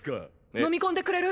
飲み込んでくれる？